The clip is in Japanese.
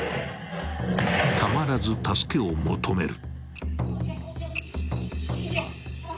［たまらず助けを求める］